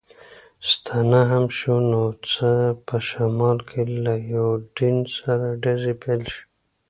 ستنه هم شو، نو څه، په شمال کې له یوډین سره ډزې پیل شوې.